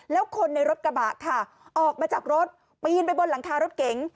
แล้วคนในรถกระบะค่ะออกมาจากรถปีนไปบนหลังคารถเก๋ง